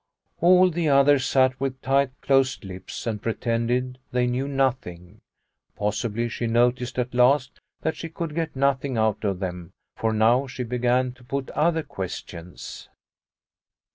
All the others sat with tight closed lips and pretended they knew nothing. Possibly she noticed at last that she could get nothing out of them, for now she began to put other questions.